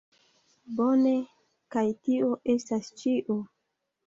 Bone, Kaj tio estas ĉio